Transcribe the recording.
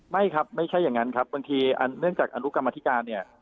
ไม่ครับไม่ใช่อย่างนั้นครับบางทีเนื่องจากอนุกรรมธิการเนี่ย